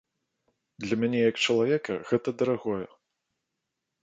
Для мяне як чалавека гэта дарагое.